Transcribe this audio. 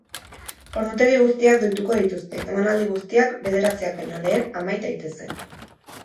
Ordutegi guztiak doituko dituzte, emanaldi guztiak bederatziak baino lehen amai daitezen.